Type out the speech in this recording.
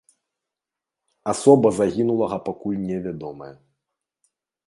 Асоба загінулага пакуль не вядомая.